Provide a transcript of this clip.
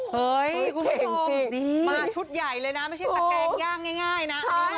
เฮ้ยคุณเก่งสิมาชุดใหญ่เลยนะไม่ใช่ตะแกงย่างง่ายนะ